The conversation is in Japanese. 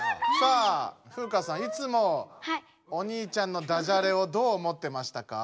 フウカさんいつもお兄ちゃんのダジャレをどう思ってましたか？